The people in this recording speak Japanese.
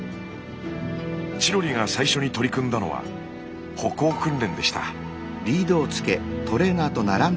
チロリが最初に取り組んだのは歩行訓練でした。